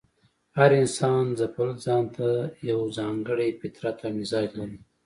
هر انسان ځپل ځان ته یو ځانګړی فطرت او مزاج لري.